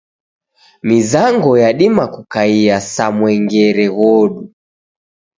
Mizango yadima kukaiya sa mwengere ghodu.